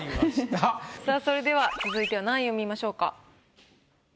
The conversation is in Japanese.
さあそれでは続いては何位を見ましょうか？